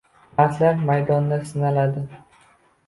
Mardlar maydonda sinaladi